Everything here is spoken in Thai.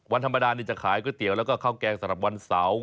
วันธรรมดานี่จะขายก๋วยเตี๋ยวแล้วก็ข้าวแกงสำหรับวันเสาร์